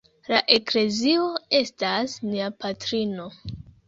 La Eklezio estas nia patrino.